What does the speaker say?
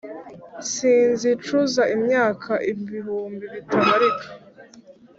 Sinzicuza imyaka ibihumbi bitabarika